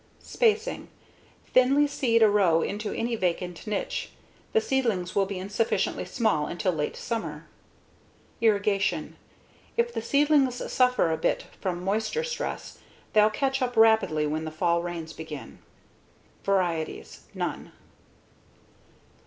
Spacing: Thinly seed a row into any vacant niche. The seedlings will be insignificantly small until late summer. Irrigation: If the seedlings suffer a bit from moisture stress they'll catch up rapidly when the fall rains begin. Varieties: None.